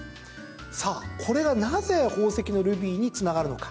さあ、これがなぜ宝石のルビーにつながるのか。